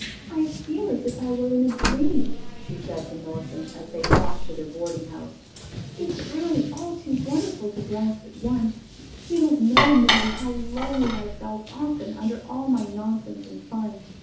"I feel as if I were in a dream," she said to Millicent as they walked to their boarding house. "It's really all too wonderful to grasp at once. You don't know, Millie, how lonely I've felt often under all my nonsense and fun.